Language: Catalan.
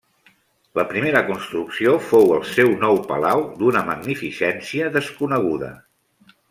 La primera construcció fou el seu nou palau, d'una magnificència desconeguda.